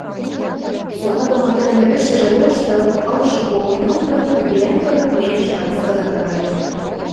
Сола дон тӹдӹн ӹлӹшӹжӹ лошты ылшы кого йонгы Пӱглӓн кырык нерӹш раскыдын кайын.